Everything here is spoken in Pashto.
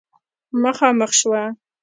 مخامخ شوه